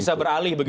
bisa beralih begitu